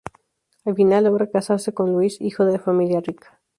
Al final logra casarse con Luis, hijo de familia rica.